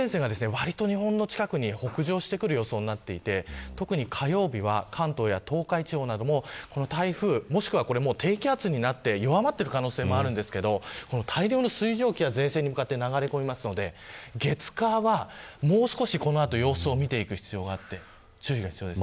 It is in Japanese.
梅雨前線がわりと日本の近くに北上してくる予想になっていて特に火曜日は関東や東海地方などの台風もしくは低気圧になって弱まっている可能性もありますが大量の水蒸気が前線に向かって流れ込むので月、火はもう少しこの後様子を見ていく必要があります。